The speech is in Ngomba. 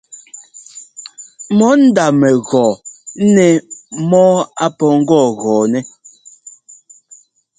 Mɔ ndá mɛgɔɔ nɛ mɔ́ɔ á pɔ́ ŋgɔɔgɔɔnɛ́.